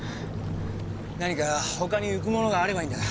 何かほかに浮くものがあればいいんだが。